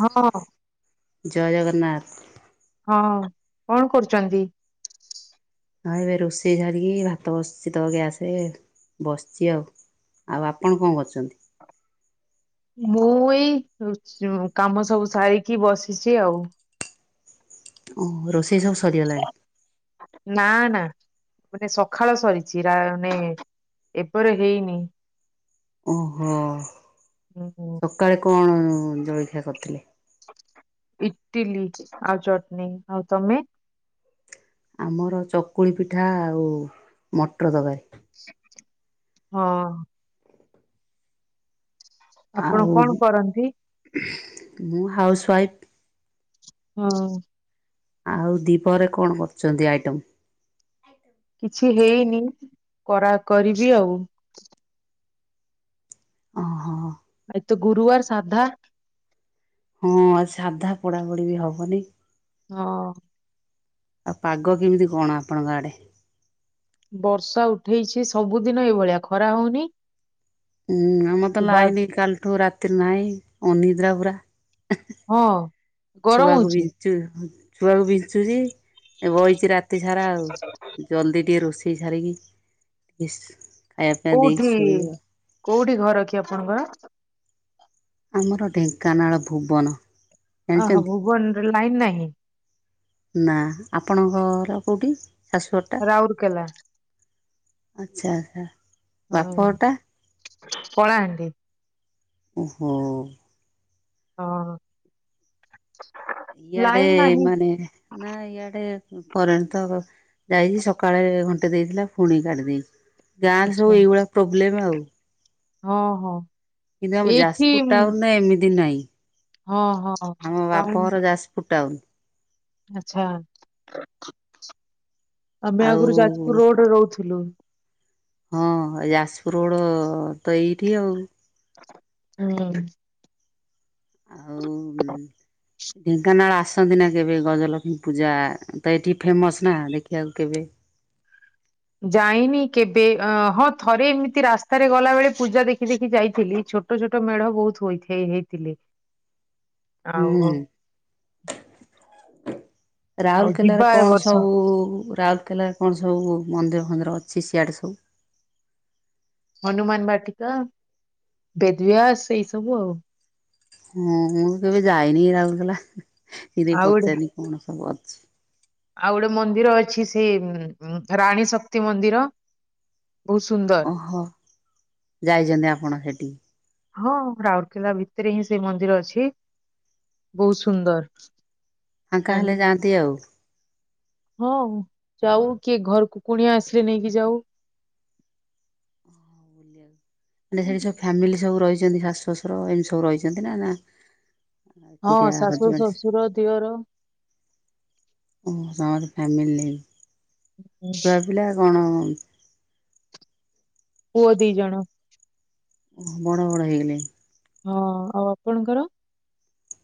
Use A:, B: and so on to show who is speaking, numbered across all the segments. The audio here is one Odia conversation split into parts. A: ହଁ।
B: ଜୟ ଜଗନ୍ନାଥ।
A: ହଁ କଣ କରୁଛନ୍ତି?
B: ହଁ ଏବେ ରୋଷେଇ ସାରିକି ଭାତ ବସିଛି ତ ଗ୍ୟାସ ରେ ବସିଚି ଆଉ। ଆଉ ଆପଣ କଣ କରୁଚନ୍ତି?
A: ମୁଁ ଏଇ କାମ ଉ ଚୁ କାମ ସବୁ ସାରିକି ବସିଛି ଆଉ।
B: ଓ ହୋ ରୋଷେଇ। ସବୁ ସରିଗଲାଣି।
A: ନା ନା। ମାନେ ସଖାଳ ସରିଛି ରା ମାନେ ଏପର ହେଇନି।
B: ଓ ହୋ
A: ଉଁ,
B: ସକାଳେ କଣ ଜଳଖିଆ କରିଥିଲ?
A: ଇଟିଲି ଆଉ ଚଟନୀ ଆଉ ତମେ?
B: ଆମର ଚକୁଳି ପିଠା ଆଉ ମଟ୍ର ତରକାରି।
A: ଓ। ଆପଣ
B: ଆଉ
A: କଣ କରନ୍ତି?
B: ମୁଁ ହାଉସ ୱାଇଫ୍।
A: ହଁ।
B: ଆଉ ଦିପରେ କଣ କରୁଛନ୍ତି ଆଇଟମ?
A: କିଛି ହେଇନି କରା କରିବି ଆଉ।
B: ଅ ହ।
A: ଆଜି ତ ଗୁରୁବାର ସାଧା।
B: ହଁ ଆଜି ସାଧା ପୋଡ଼ା ପୋଡି ବି ହବନି।
A: ହଁ।
B: ଆଉ ପାଗ କେମିତି କଣ ଆପଣଙ୍କ ଆଡେ?
A: ବର୍ଷା ଉଠେଇଛି ସବୁଦିନ ଏଇଭଳିଆ ଖରା ହଉନି।
B: ହୁଁ ଆମର ତ
A: ବା
B: ଲାଇନି କାଲିଠୁ ରାତି ନାହିଁ ଅନିଦ୍ରା ପୁରା।
A: ହଁ। ଗରମ
B: ଛୁଆକୁ
A: ହଉଛି
B: ବିଞ୍ଚୁ ଛୁଆକୁ ବିଞ୍ଚୁଛି। ଏ ବଇଚି ରାତି ସାରା ଆଉ ଜଲଦି ଟିକେ ରୋଷେଇ ସାରିକି ହିସ୍।
A: କୋଉଠି କୋଉଠି ଘର କି ଆପଣଙ୍କର?
B: ଆମର ଢେଙ୍କାନାଳ ଭୁବନ।
A: ଓହୋ
B: ଜାଣିଛନ୍ତି?
A: ଭୁବନରେ ଲାଇନ ନାହିଁ।
B: ନା ଆପଣଙ୍କ ଗର କଉଁଟି? ଶାଶୁ ଅଟା
A: ରାଉରକେଲା
B: ଆଚ୍ଛା ଆ
A: ହଁ
B: ବାପ ଅଟା।
A: କଳାହାଣ୍ଡି।
B: ଓ ହୋ।
A: ହଁ।
B: ଇଆଡେ
A: ଲାଇନ ନାହିଁ
B: ମାନେ ନା ଇଆଡେ କରେଣ୍ଟ ତ ଯାଇଛି ସକାଳେ ଘଣ୍ଟେ ଦେଇଥିଲା ଫୁଣି କାଟିଦେଇଚି ଗାଁରେ ସବୁ
A: ଆଛା
B: ଏଇଭଳିଆ ପ୍ରୋବ୍ଲେମ ଆଉ।
A: ହଁ ହଁ।
B: କିନ୍ତୁ ଆମ
A: ଏଇଠି
B: ଯାସପୁର ଟାଉନ ରେ ଏମିତି ନାହିଁ
A: ହଁ ହଁ
B: ଆମ ବାପଘର ଯାସପୁ ପୁଟାଉନ।
A: ଆଚ୍ଛା ଆମେ
B: ଆଉ
A: ଆଗରୁ ଯାଜପୁର ରୋଡରେ ରହୁଥିଲୁ।
B: ହଁ ଯାସପୁର ରୋଡ ତ ଏଇଠି ଆଉ।
A: ହଁ।
B: ଆଉ ଉମ୍। ଢେଙ୍କାନାଳ ଆସନ୍ତି ନା କେବେ ଗଜଲକ୍ଷ୍ମୀ ପୂଜା ତ ଏଠି ଫେମସ ନା ଦେଖିବାକୁ କେବେ?
A: ଯାଇନି କେବେ ଅ ହଁ ଥରେ ଏମିତି ରାସ୍ତାରେ ଗଲା ବେଳେ ପୂଜା ଦେଖି ଦେଖି ଯାଇଥିଲି ଛୋ ଟ ଛୋଟ ମେଢ ବହୁତ ହୋଇଥ ହେଇ ହେଇଥିଲେ।
B: ହୁଁ।
A: ଆଉ ଆଉ
B: ରାଉରକେଲାରେ
A: ଯିବା ଏ
B: କଣ
A: ବର୍ଷ
B: ସବୁ ରାଉରକେଲା କଣ ସବୁ ମନ୍ଦିର ଫନ୍ଦିର ଅଛି ସିଆଡ଼େ ସବୁ?
A: ହନୁମାନ ବାଟିକା ବେଦବ୍ୟାସ ଏଇ ସବୁ ଆଉ।
B: ହଁ ମୁଁ କେବେ ଯାଇନି ରାଉଲକେଲା ସେ ଦେଇ
A: ଆଉ ଗୋଟେ
B: ପଚାରନି କଣ ସବୁ ଅଛି।
A: ଆଉ ଗୋଟେ ମନ୍ଦିର ଅଛି ସେଇ ଉଁ ଉଁ ରାଣୀ ଶକ୍ତି ମନ୍ଦିର। ବହୁତ ସୁନ୍ଦ
B: ଓହୋ ଯାଇଛନ୍ତି ଆପଣ ସେଠିକି?
A: ହଁ ରାଉରକେଲା ଭିତରେ ହିଁ ସେ ମନ୍ଦିର ଅଛି। ବହୁତ ସୁନ୍ଦର।
B: ଫାଙ୍କା ହେଲେ
A: ମନ୍ଦିର
B: ଯାଆନ୍ତି ଆଉ।
A: ହଁ ଯାଉ କିଏ ଘରକୁ କୁଣିଆ ଆସିଲେ ନେଇକି ଯାଉ।
B: ମାନେ ସେଠି ସବୁ ଫ୍ୟାମିଲି ସବୁ ରହିଛନ୍ତି ଶାଶୁ ଶଶୁର ଏମିତି ସବୁ ରହିଛନ୍ତି ନା
A: ହଁ
B: ଏକୁଟିଆ
A: ଶାଶୁ ଶ୍ୱଶୁର ଦିଅର।
B: ଓ ତମର ଫ୍ୟାମିଲି ନେଇ
A: ହୁଁ,
B: ପୁରା ପିଲା କଣ?
A: ପୁଅ ଦି ଜଣ।
B: ଓହୋ ବଡ ବଡ ହେଇଗଲେ।
A: ହଁ ଆଉ ଆପଣଙ୍କର?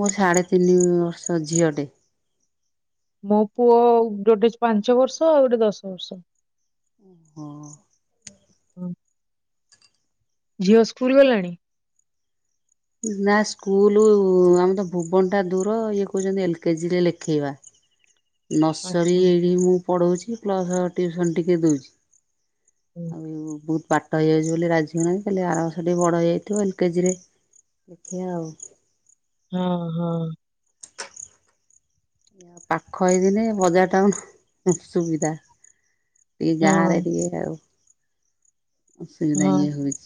B: ମୋ ସାଢେ ତିନି ବର୍ଷ ଝିଅ ଟେ।
A: ମୋ ପୁଅ ଗୋଟେ ପାଞ୍ଚ ବର୍ଷ ଆଉ ଗୋଟେ ଦଶ ବର୍ଷ।
B: ଓହୋ।
A: ହଁ। ଝିଅ ସ୍କୁଲ ଗଲାଣି?
B: ନା ସ୍କୁଲ ଆମ ତ ଭୁବନ ଟା ଦୂର। ଇଏ କହୁଛନ୍ତି ଏଲ କେଜିରେ ଲେଖେଇବା। ନର୍ସରୀ
A: ଆଚ୍ଛା
B: ଏଇଠି ମୁଁ ପଢ଼ଉଛି ପ୍ଲସ୍ ଟ୍ୟୁସନ୍ ଟିକେ ଦୋଉଛି। ଆଉ ଏ ବହୁତ ପା ଟ ହେଇଯାଉଛି ବୋଲି ରାଜି ହୋଉନାହିଁ ଆରାମ ସେଠି ବଡ଼ ହେଇଯାଇଥିବ ଏଲ କେଜିରେ ଦେଖିବା ଆଉ।
A: ହଁ ହଁ।
B: ପାଖ ହେଇଦିନେ ବଜାର ଟାଉନ ସୁବିଧା। ଟିକେ
A: ହଁ
B: ଗାଁରେ ଇଏରେ ଆଉ
A: ହଁ
B: ଅସୁବିଧା ଇଏ
A: ହଁ।
B: ହଉଛି।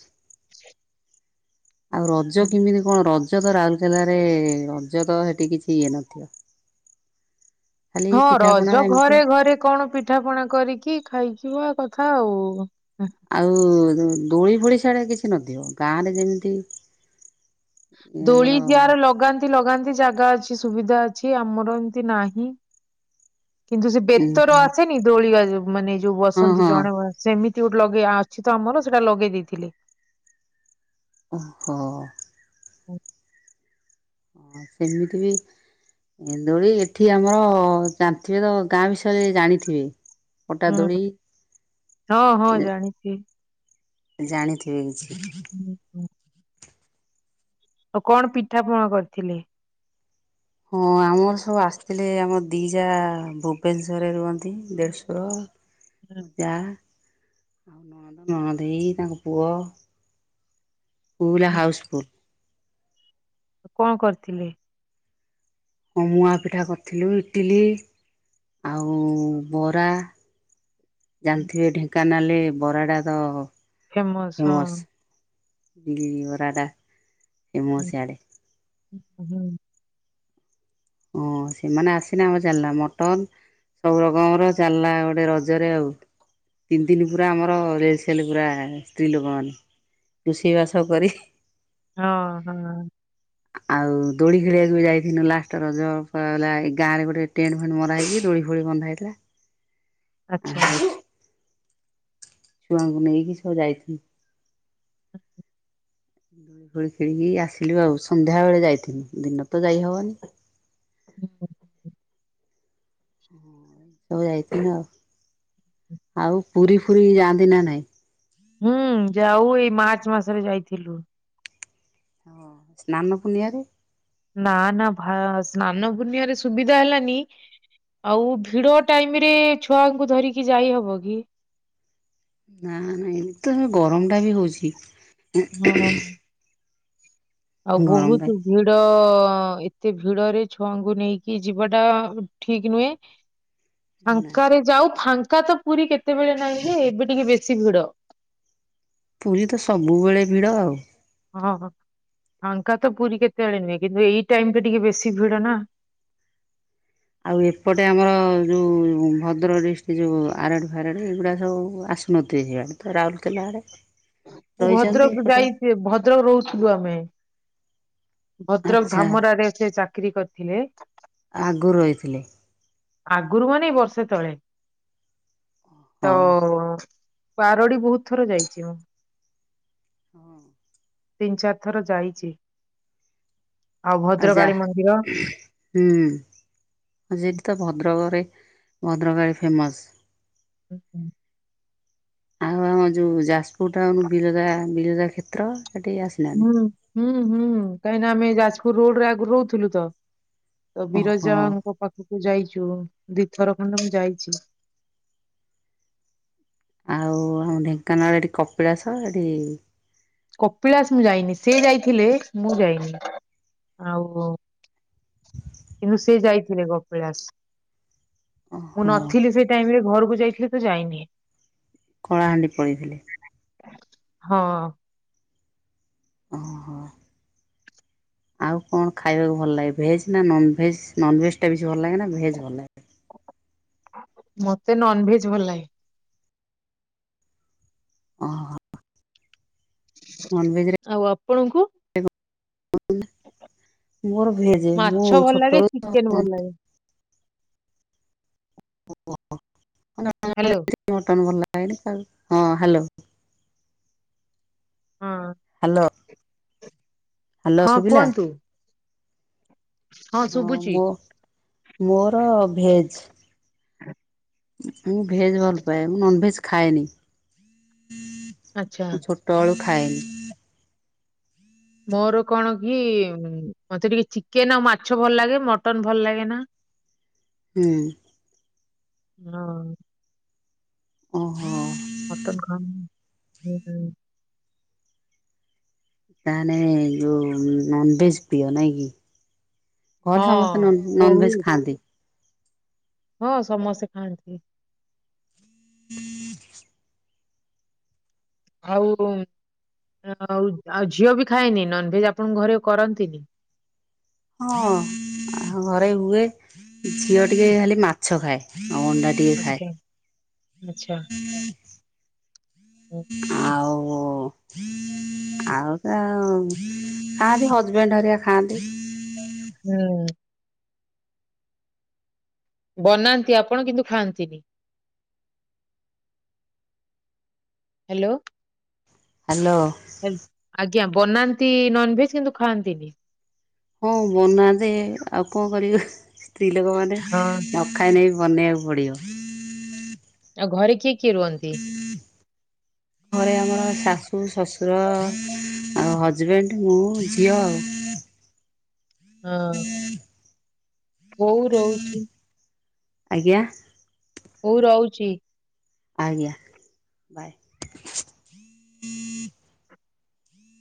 B: ଆଉ ରଜ କେମିତି କଣ ରଜ ତ ରାଉରକେଲାରେ ରଜ ତ ସେଠି କିଛି ଇଏ ନଥିବ। ଖାଲି
A: ହଁ
B: ପିଠାପଣା
A: ରଜ
B: ଏମିତି
A: ଘରେ ଘରେ କଣ ପିଠା ପଣା କରିକି ଖାଇଥିବା କଥା ଆଉ।
B: ଆଉ ଦୋଳି ଭୋଳି ସେଆଡେ କିଛି ନଥିବ। ଗାଁରେ ଯେମିତି
A: ଦୋଳି
B: ଆମର
A: ଜାଆର ଲଗାନ୍ତି ଲଗାନ୍ତି ଜାଗା ଅଛି ସୁବିଧା ଅଛି ଆମର ଏମତି ନାହିଁ। କିନ୍ତୁ ସେ
B: ଉଁ
A: ବେତର ଆସେନି ଦୋଳିଆ ମାନେ ଯୋଉ
B: ହଁ
A: ବସନ୍ତି
B: ହଁ
A: ଜଣେ ସେମିତି। ଲଗେଇ ଅଛି ତ ଆମର ସେଇଟା ଲଗେଇ ଦେଇଥିଲେ।
B: ଓହୋ।
A: ଉଁ।
B: ସେମିତି ବି ଏନ୍ଦୋଳି ଏଠି ଆମର ଜାଣିଥିବେ ତ ଗାଁ ବିଷୟରେ ଜାଣିଥିବେ। ପଟା
A: ହୁଁ
B: ଦୋଳି
A: ହଁ ହଁ ଜାଣିଛି।
B: ଜାଣିଥିବେ କିଛି।
A: ହୁଁ ହୁଁ। ଆଉ କଣ ପିଠା ପଣା କରିଥିଲେ?
B: ହଁ ଆମର ସବୁ ଆସିଥିଲେ ଆମ ଦି ଯା ଭୁବନେଶ୍ଵରରେ ରୁହନ୍ତି ଦେଢ଼ଶୁର।
A: ହୁଁ,
B: ଜା ଆଉ ନଣଦଦେଇ ତାଙ୍କ ପୁଅ ପୁରା
A: ହୁଁ।
B: ହାଉସଫୁଲ।
A: କଣ କରିଥିଲେ?
B: ହଁ ମୁଆ ପିଠା କରିଥିଲୁ ଇଟିଲି ଆଉ ବରା। ଜାଣିଥିବେ ଢେଙ୍କାନାଳ ବରା ଟା ତ ଫେମସ ବିରି ବରା ଟା
A: ହୁଁ,
B: ଫେମସ ଆଡ଼େ
A: ହୁଁ।
B: ଓ ସେମାନେ ଆସିନା ଆମର ଚାଲିଲା ମଟନ। ସବୁ ରକମ ର ଚାଲିଲା ଗୋଟେ ରକମ ରେ ଆଉ। ତିନି ତିନି ପୁରା ଆମର ରେଳସଲ ପୁରା ସ୍ତ୍ରୀ ଲୋକମାନେ। ରୋଷେଇ ବାସ କରି
A: ହଁ ହଁ।
B: ଆଉ ଦୋଳି ଖେଳିବାକୁ ଯାଇଥିଲୁ ଲାଷ୍ଟ। ରଜଲା ଗାଁରେ ଗୋଟେ ଟେଣ୍ଟ ଫେଣ୍ଟ ମରା ହେକି ଦୋଳି ଫୋଳି ବନ୍ଧା ହେଇଥିଲା।
A: ଆଚ୍ଛା।
B: ଆଉ ଛୁଆଙ୍କୁ ନେଇକି ସବୁ ଯାଇଥିଲି। ଖେଳି ଖେଳିି କି ଆସିଲି ଆଉ ସନ୍ଧ୍ୟା ବେଳେ ଯାଇଥିନି ଦିନ ତ ଯାଇହବନି।
A: ହୁଁ
B: ହୁଁ ସବୁ ଯାଇଥିଲ ଆଉ ଆଉ ପୁରୀ ଫୁରୀ ଯାଆନ୍ତି ନା ନାଇଁ?
A: ହୁଁ ଯାଉ ଏଇ ମାର୍ଚ୍ଚ ମାସରେ ଯାଇଥିଲୁ।
B: ସ୍ନାନ ପୁନିଆ ରେ?
A: ନା ନା ସ୍ନାନ ପୁନିଆରେ ସୁବିଧା ହେଲାନି। ଆଉ ଭିଡ ଟାଇମରେ ଛୁଆଙ୍କୁ ଧରିକି ଯାଇ ହବ କି?
B: ନା ନା ଏମିତି ତ ଏ ଗରମଟା ବି ହଉଛି
A: ହଁ ଆଉ
B: ଗରମ ଟା
A: ବହୁତ ଭିଡ ଏତେ ଭିଡରେ ଛୁଆଙ୍କୁ ନେଇକି ଯିବାଟା ଠିକ ନୁହେଁ।
B: ନା
A: ଫାଙ୍କରେ ଯାଉ ଫାଙ୍କା ତ ପୁରୀ କେତେବେଳେ ନାହିଁ ଯେ ଏବେ ଟିକେ ବେଶୀ ଭିଡ।
B: ପୁରୀ ତ ସବୁବେଳେ ଭିଡ଼ ଆଉ।
A: ହଁ ହାଙ୍କା ତ ପୁରୀ କେତେବେଳେ ନୁହେ କିନ୍ତୁ ଏଇ ଟାଇମରେ ଟିକେ ବେଶୀ ଭିଡ ନା।
B: ଆଉ ଏପଟେ ଆମର ଯୋଉ ଭଦ୍ରକ ଡିଷ୍ଟ୍ରିକ୍ଟ ଯୋଉ ଆରଡି ଫାରାଡ଼ି ଏଗୁଡା ସବୁ ଆସ [unintelligible] ରାଉରକେଲା ଆଡ଼େ।
A: ମୁଁ ଭଦ୍ରକ ଯାଇଛି ଭଦ୍ରକ ରହୁଥିବୁ ଆମେ। ଭଦ୍ରକ
B: ଆଚ୍ଛା
A: ଧାମରରେ ସେ ଚାକିରୀ କରିଥିଲେ।
B: ଆଗରୁ ରହିଥିଲେ
A: ଆଗରୁ ମାନେ ବର୍ଷେ ତଳେ
B: ହଁ
A: ତ ବାରଡି ବହୁତ ଥର ଯାଇଛି ମୁଁ।
B: ହଁ
A: ତିନି ଚାରି ଥର ଯାଇଛି ଆଉ ଭଦ୍ରକାଳୀ ମନ୍ଦିର
B: ହୁଁ। ଆ ସେଠି ତ ଭଦ୍ରକରେ ଭଦ୍ରକାଳୀ ଫେମସ୍।
A: ଆଛା
B: ଆଉ ଆମ ଯୋଉ ଯାଜପୁର ଟାଉନ ବିରଜା ବିରଜା କ୍ଷେତ୍ର ସେଠି ଆ
A: ହୁଁ ହୁଁ ହୁଁ କାହିଁକି ନା ଆମେ ଯାଜପୁର ରୋଡରେ ଆଗରୁ ରହୁଥିଲୁ ତ ତ
B: ଓହୋ
A: ବିରଜାଙ୍କ ପାଖକୁ ଯାଇଛୁ ଦୁଇଥର ଖଣ୍ଡେ ମୁଁ ଯାଇଛି।
B: ଆଉ ଆମ ଢେଙ୍କାନାଳ ଏଠି କପିଳାସ ଏଠି?
A: କପିଳାସ ମୁଁ ଯାଇନି ସେ ଯାଇଥିଲେ ମୁଁ ଯାଇନି ଆଉ। କିନ୍ତୁ ସେ ଯାଇଥିଲେ କପିଳାସ ମୁଁ
B: ଓହୋ
A: ନଥିଲି ସେ ଟାଇମ ରେ ଘରକୁ ଯାଇଥିଲି ତ ଯାଇନି।
B: କଳାହାଣ୍ଡି ପଳେଇଥିଲେ?
A: ହଁ।
B: ଓହୋ ଆଉ କଣ ଖାଇବାକୁ ଭଲ ଲାଗେ ଭେଜ୍ ନା ନନ ଭେଜ ନନ ଭେଜ ଟା ବେଶ ଭଲ ଲାଗେ ନା ଭେଜ୍ ଭଲ ଲାଗେ?
A: ମତେ ନନ ଭେଜ ଭଲ ଲାଗେ।
B: ଓହ ନନ୍ ଭେଜରେ
A: ଆଉ ଆପଣଙ୍କୁ?
B: ମୋର ଭେଜେ
A: ମାଛ
B: ମୁଁ
A: ଭଲ ଲାଗେ
B: ଛୋଟ
A: ଚିକେନ ଭଲ ଲାଗେ
B: [unintelligible]
A: ହ୍ୟାଲୋ।
B: ହଁ ହ୍ୟାଲୋ
A: ହଁ।
B: ହ୍ୟାଲୋ। ହ୍ୟାଲୋ
A: ହଁ
B: ଶୁଭିଲା?
A: କୁହନ୍ତୁ।
B: ହଁ ମୋ ମୋର ଭେଜ
A: ହଁ
B: ମୁଁ ଭେଜ୍ ଭଲ ପାାଏ ମୁଁ ନନଭେଜ ଖାଏନି
A: ଆଚ୍ଛା
B: ମୁଁ ଛୋ ତଳୁ ଖାଇ
A: ମୋର କଣ କି ମତେ ଟିକେ ଚିକେନ ଆଉ ମାଛ ଭଲ ଲାଗେ ମଟନ ଭଲ ଲାଗେ ନା।
B: ହୁଁ।
A: ହଁ।
B: ଓହୋ।
A: ମଟନ ଖାଁ ହୁଁ ହୁଁ।
B: ତାହେଲେ ଯୋଉ ନନଭେଜ୍ ପ୍ରିୟ ନାଇଁ କି? ହଁ ସମସ୍ତେ ନନଭେଜ ଖାଆନ୍ତି।
A: ହଁ ସମସ୍ତେ ଖାଆନ୍ତି।
B: [inaudible]
A: ଆଉ ଆଉ ଝିଅ ବି ଖାଏନି ନନଭେଜ ଆପଣଙ୍କ ଘରେ କରନ୍ତିନି।
B: ହଁ ଘରେ ହୁଏ ଝିଅ ଟିକେ ଖାଲି ମାଛ ଖାଏ ଆଉ ଅଣ୍ଡା ଟିକେ ଖାଏ
A: ଆଛା ଆଚ୍ଛା। ହୁଁ।
B: ଆଉ ଆଉ ତ ଖାଆନ୍ତି ହଜବେଣ୍ଡ ହରିଆ ଖାଆନ୍ତି।
A: ହୁଁ। ବନାନ୍ତି ଆପଣ କିନ୍ତୁ ଖାଆନ୍ତିନି। ହ୍ୟାଲୋ।
B: ହ୍ୟାଲୋ।
A: ଆଜ୍ଞା ବନାନ୍ତି ନନଭେଜ କିନ୍ତୁ ଖାଆନ୍ତିନି।
B: ହଁ ବନା ଯେ ଆଉ କଣ କରିବୁ ସ୍ତ୍ରୀ ଲୋକ ମାନେ
A: ହଁ
B: ଖାଇନେ ବି ବନେଇବାକୁ ପଡ଼ିବ।
A: ଆଉ ଘରେ କିଏ କିଏ ରୁହନ୍ତି?
B: ଘରେ ଆମର ଶାଶୁ ଶ୍ୱଶୁର ଆଉ ହଜବେଣ୍ଡ ମୁଁ ଝିଅ ଆଉ।
A: ହଁ ବୋଉ ରହୁଛି।
B: ଆଜ୍ଞା।
A: ହଉ ରହୁଛି।
B: ଆଜ୍ଞା ବାଏ।